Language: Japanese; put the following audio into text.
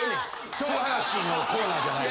その話のコーナーじゃないの？